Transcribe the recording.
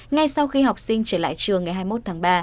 ngay sau khi học sinh trở lại trường ngày hai mươi một tháng ba